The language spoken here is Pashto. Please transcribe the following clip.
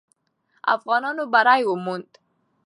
افغانانو بری وموند.